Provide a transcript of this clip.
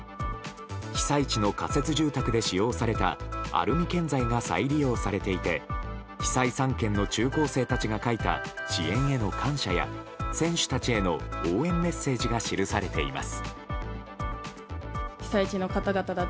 被災地の仮設住宅で使用されたアルミ建材が再利用されていて被災３県の中高生たちが書いた支援への感謝や選手たちへの応援メッセージが記されています。